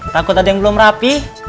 takut ada yang belum rapi